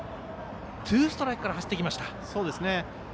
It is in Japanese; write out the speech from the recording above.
ツーストライクから走ってきました。